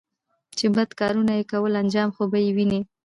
چې بد کارونه يې کول انجام خو به یې ویني